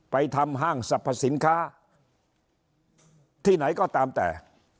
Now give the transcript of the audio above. ทำห้างสรรพสินค้าที่ไหนก็ตามแต่